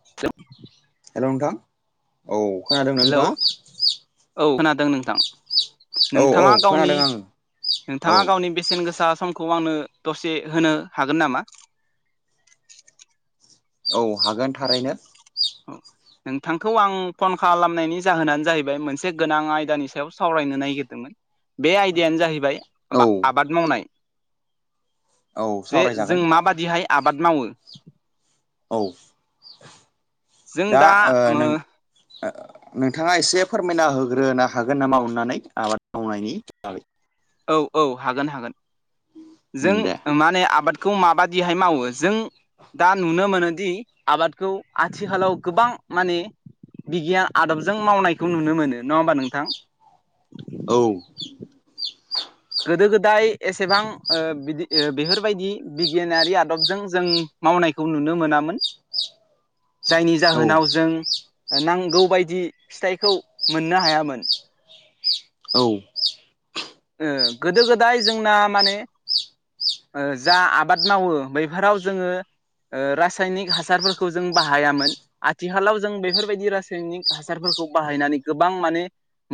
[inaudible] हेल' नोंथां औ खोनादों हेलौ नोंथाङा? औ खोनादों नोंथां। औ औ नोंथाङा गावनि खोनादों आङो औ नोंथाङा गावनि बेसेन गोसा सम। खौ आंनो दसे होनो हागोन नामा। औ हागोन थारैनो। औ। नोंथांखौ आं फन खालामनायनि जाहोनानो जाहैबाय मोनसे गोनां आयदानि सायाव सावरायनो नागिरदोंमोन। बे आयदायानो जाहैबाय। औ। आबाद मावनाय औ जे सावरायजागोन जों माबादिहाय आबाद मावो। औ। दा ओ नों नोंथाङा एसे फोरमायना होग्रोनो हागोन नामा अननानै आबाद मावनायनि बागै औ औ हागोन हागोन जों दे माने आबाद। खौ माबादिहाय मावो जों दा नुनो मोनोदि। आबादखौ आथिखालाव गोबां। माने बिगियान आदबजों मावनायखौ नुनो मोनो नङा होमबा नोंथां। औ। गोदो गोदाय एसेबां ओ बिदि ओ बेफोरबायदि। बिगियानारि आदबजों जों मावनायखौ नुनो मोनामोन। जायनि औ जाहोनाव जों नांगौ बायदि फिथाइखौ मोननो हायामोन। औ। ओ गोदो गोदाय जोंना माने। ओ जा आबाद मावो बैफोराव जोङो। ओ रासायनिक हासारफोरखौ जों बाहायामोन। आथिखालाव जों बेफोरबायदि रासायनिक हासारफोरखौ बाहायनानै गोबां माने।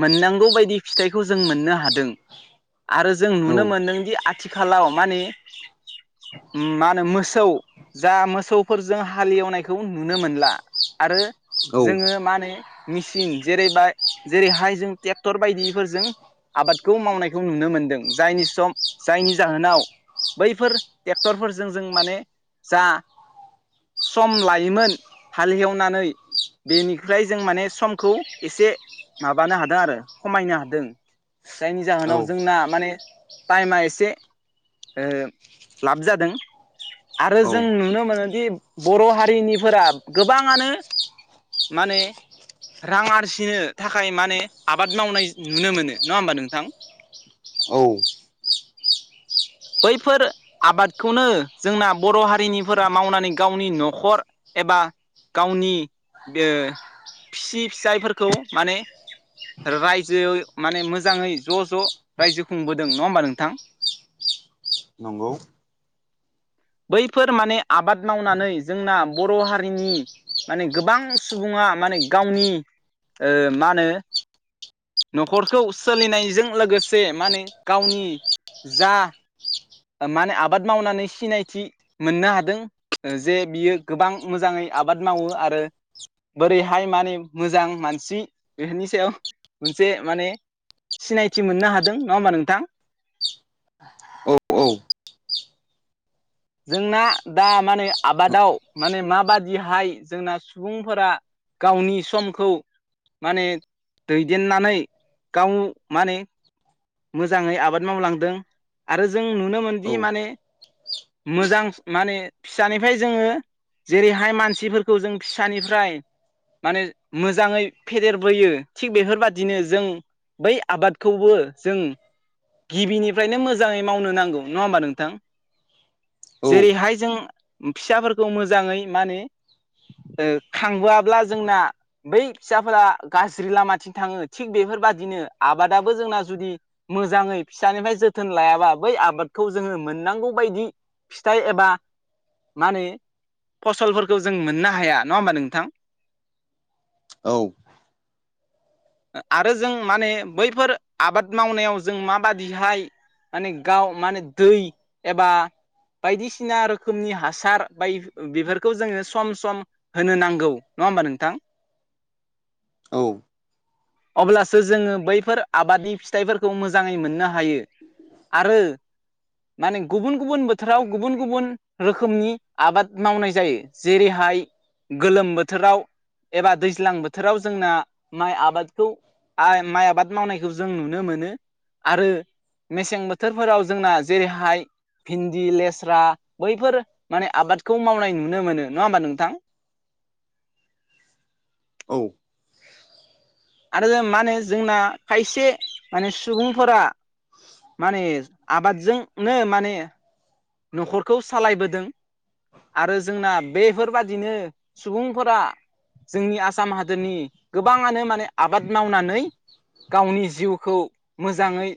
मोननांगौ बायदि फिथाइखौ जों मोननो हादों। आरो जों औ नुनो मोनदोंदि आथिखालाव माने मा होनो मोसौ। जा मोसौफोरजों हालेवनायखौ नुनो मोनला आरो। औ जोङो मा होनो। मेसिन जेरैब जेरैहाय जों ट्रेक्टर बायदिफोरजों आबादखौ मावनाय। बेखौ नुनो मोनदों जायनि सम जायनि जाहोनाव। बैफोर ट्रेक्टरफोरजों जों माने जा। सम लायोमोन हाल एवनानै। बेनिफ्राय जों माने समखौ एसे माबानो हादों आरो खमायनो हादों। जायनि जाहोनाव औ जोंना माने टाइमा एसे। ओ लाब जादों। आरो औ जों नुनो मोनोदि बर' हारिनिफोरा गोबाङानो माने रां आरजिनो थाखाय माने आबाद मावनाय नुनो मोनो नङा होमबा नोंथां। औ। बैफोर आबादखौनो जोंना बर' हारिनिफोरा मावनानै गावनि न'खर एबा गावनि फिसि फिसायफोरखौ माने। रायजो माने मोजाङै ज' ज' रायजो खुंबोदों नङा होमबा नोंथां। नंगौ। बैफोर माने आबाद मावनानै जोंना बर' हारिनि। माने गोबां सुबुङा माने गावनि ओ मा होनो। न'खरखौ सोलिनायजों लोगोसे माने गावनि जा। माने आबाद मावनानै सिनायथि मोननो हादों। ओ जे बियो गोबां मोजाङै आबाद मावो आरो। बोरैहाय माने मोजां मानसि बेफोरनि सायाव मोनसे माने सिनायथि मोननो हादों नङा होमबा नोंथां। औ औ जोंना दा माने आबादाव माने माबादिहाय जोंना सुबुंफोरा गावनि समखौ माने दैदेननानै गाव माने मोजाङै आबाद मावलांदों आरो जों नुनो औ मोनदि माने मोजां माने फिसानिफ्राय जोङो जेरैहाय मानसिफोरखौ जों फिसानिफ्राय माने मोजाङै फेदेरबोयो थिग बेफोरबादिनो जों बै आबादखौबो जों गिबिनिफ्रायनो मोजाङै मावनो नांगौ नङा होमबा नोंथां। औ जेरैहाय जों फिसाफोरखौ मोजाङै माने ओ खांबोआब्ला जोंना बै फिसाफोरा गाज्रि लामाथिं थाङो थिग बेफोरबादिनो आबादाबो जोंना जुदि मोजाङै फिसानिफ्राय जोथोन लायाबा बै आबादखौ जोङो मोननांगौ बायदि फिथाइ एबा माने फसलफोरखौ जों मोननो हाया नङा होमबा नोंथां। औ आरो जों माने बैफोर आबाद मावनायाव जों माबादिहाय माने गाव माने दै एबा बायदिसिना रोखोमनि हासार बाय बेफोरखौ जोङो सम सम होनो नांगौ नङा होमबा नोंथां। औ अब्लासो जोङो बैफोर आबादनि फिथाइफोरखौ मोजाङै मोननो हायो। आरो माने गुबुन गुबुन बो थोराव गुबुन गुबुन रोखोमनि आबाद मावनाय जायो। जेरैहाय गोलोम बोथोराव एबा दैज्लां बोथोराव जोंना माइ आबादखौ आइ माइ आबाद मावनायखौ जों नुनो मोनो। आरो मेसें बोथोरफोराव जोंना जेरैहाय दि लेस्रा बैफोर माने आबादखौ मावनाय नुनो मोनो नङा होमबा नोंथां। औ आरो जों माने जोंना खायसे माने सुबुंफोरा माने आबादजोंनो माने न'खरखौ सालायबोदों। आरो जोंना बेफोरबादिनो सुबुंफोरा जोंनि आसाम हादोरनि गोबाङानो माने आबाद मावनानै गावनि जिउखौ मोजाङै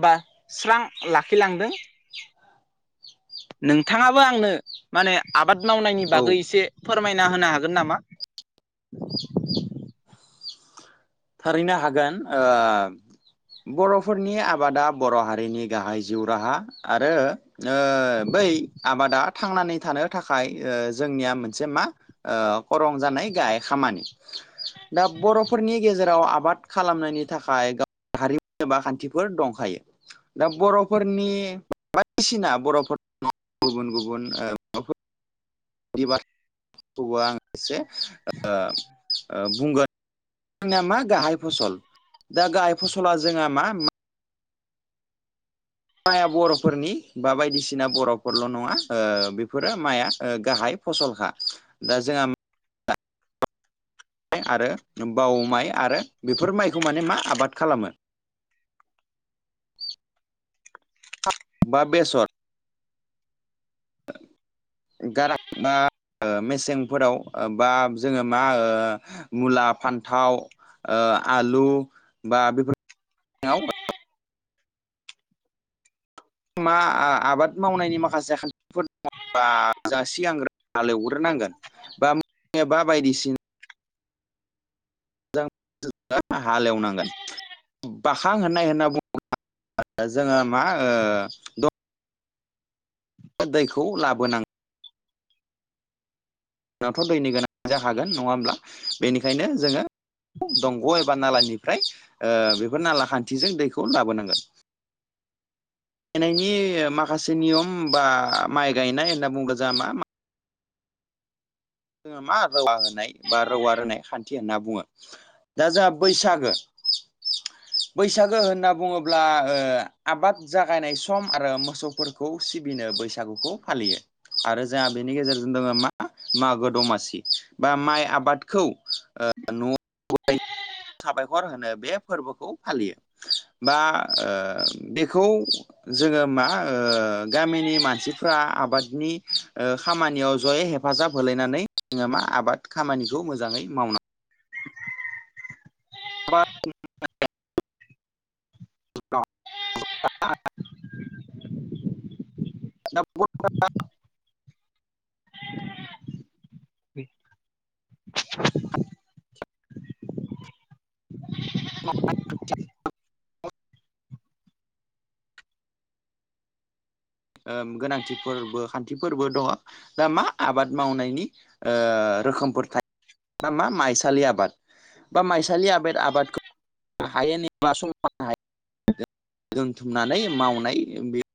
एबा स्रां लाखिलांदों। नोंथाङाबो आंनो माने आबाद मावनायनि औ बागै एसे फोरमायना होनो हागोन नामा? थारैनो हागोन ओ बर'फोरनि आबादा बर' हारिनि गाहाय जिउ राहा आरो ओ बै आबादा थांनानै थानो थाखाय ओ जोंनिया मोनसे मा ओ खरं जानाय गाहाय खामानि दा बर'फोरनि गेजेराव आबाद खालामनायनि थाखाय गाव हारिमु एबा खान्थिफोर दंखायो। दा बर'फोरनि बायदिसिना बर'फोर गुबुन गुबुन [unintelligible] खौ आं एसे ओ ओ बुंगोन जोंनिया मा गाहाय फसल दा गाहाय फसला जोंहा मा माइया बर'फोरनि बा बायदिसिना बर'फोरल' नङा ओ बेफोरो माइआ गाहाय फसलखा दा जोंहा आरो बाव माइ आरो बेफोर माइखौ माने मा आबाद खालामो। बा बेसर द [inaudible] [unintelligible] गारां मा मेसेंफोराव बा जोङो मा ओ मुला, फान्थाव, आलु बा बेफोर मा आबाद मावनायनि माखासे खान्थिफोर दङ बा जा सिगांग्रो हाल एवग्रोनांगोन बा मा बा बायदिसिना मोजां हालेवनांगोन बाखां होननाय होनना बुङोब्ला जोङो मा ओ दैखौ लाबोनांगौ जोंनाथ' दैनि गोनां जाखागोन नङा होमब्ला बेनिखायनो जोङो दंग' एबा नालानिफ्राय बेफोर नाला खाथिजों दैखौ लाबोनांगोन। [inaudible] गायनायनि माखासे नियम बा माइ गायनाय होनना बुङोब्ला जोंहा मा जोङो मा रौवा होनाय बा रौवा रोनाय खान्थि होनना बुङो। दा जोंहा बैसागो बैसागो होनना बुङोब्ला आबाद जागायनाय सम आरो मोसौफोर खौ सिबिनो बैसागुखौ फालियो आरो जोंहा बेनि गेजेरजों दङो मा मागो दमासि बा माइ आबादखौ न'आव साबायखर होनो बे फोरबोखौ फालियो। बा बेखौ जोङो मा गामिनि मानसिफ्रा आबादनि खामानियाव जयै हेफ हेफाजाब होलायनानै जोङो मा आबाद खामानिखौ मोजाङै मावनांगौ। [inaudible] [unintelligible] [unintelligible] बि ओ गोनांथिफोरबो खान्थिफोरबो दङ। दा मा आबाद मावनायनि रोखोमफोर थायो दा मा माइसालि आबाद बा माइसालि आबाद आबादखौ हायो नेबा समनो हायो दोनथुमनानै मावनाय बे